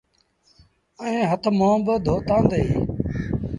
ائيٚݩ هٿ منهن با ڌوتآندي۔